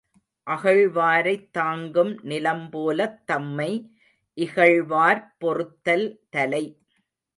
அகழ்வாரைத் தாங்கும் நிலம்போலத் தம்மை இகழ்வார்ப் பொறுத்தல் தலை.